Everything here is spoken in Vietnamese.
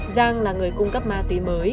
giang là người cung cấp ma túy mới